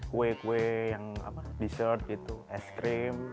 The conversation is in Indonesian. kue kue yang dessert gitu es krim